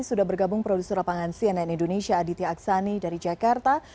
sudah bergabung produser lapangan cnn indonesia aditya aksani dari jakarta